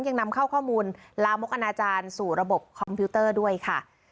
ยังนำเข้าข้อมูลลามกอนาจารย์สู่ระบบคอมพิวเตอร์ด้วยค่ะ